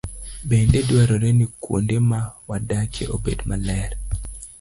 Bende dwarore ni kuonde ma wadakie obed maler.